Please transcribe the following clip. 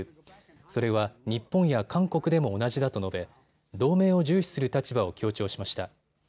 それは日本や韓国でも同じだと述べ、同盟を重視する立場を強調しました。